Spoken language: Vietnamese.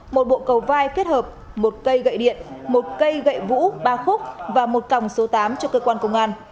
một bộ cầu vai kết hợp một cây gậy điện một cây gậy vũ ba khúc và một còng số tám cho cơ quan công an